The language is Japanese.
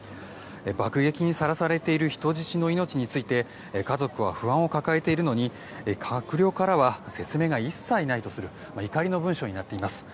爆撃にさらされている人質の命について家族は不安を抱えているのに閣僚からは説明が一切ないとする怒りの文書になっています。